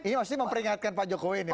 ini pasti memperingatkan pak jokowi nih